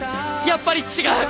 やっぱり違う！